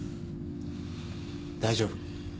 大丈夫。